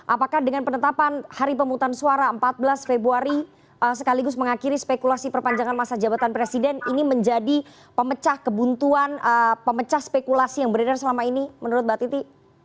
apakah dengan penetapan hari pemutusan suara empat belas februari sekaligus mengakhiri spekulasi perpanjangan masa jabatan presiden ini menjadi pemecah kebuntuan pemecah spekulasi yang beredar selama ini menurut mbak titi